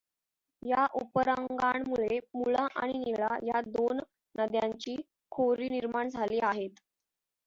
ह्या उपरांगांमुळे मुळा आणि निळा ह्या दोन नद्यांची खोरी निर्माण झाली आहेत.